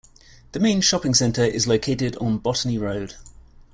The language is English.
The main shopping centre is located on Botany Road.